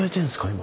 今。